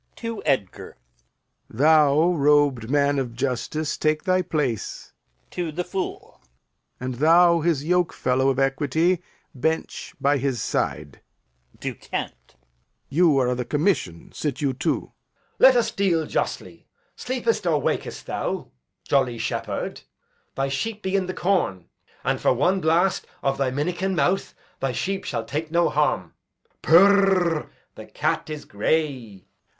[To Edgar] Thou, robed man of justice, take thy place. [To the Fool] And thou, his yokefellow of equity, Bench by his side. [To Kent] You are o' th' commission, Sit you too. Edg. Let us deal justly. Sleepest or wakest thou, jolly shepherd? Thy sheep be in the corn; And for one blast of thy minikin mouth Thy sheep shall take no harm. Purr! the cat is gray.